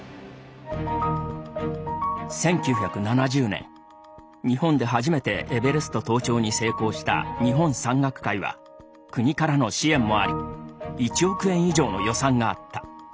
１９７０年日本で初めてエベレスト登頂に成功した日本山岳会は国からの支援もあり１億円以上の予算があった。